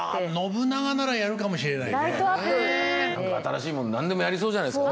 新しいもの何でもやりそうじゃないですかね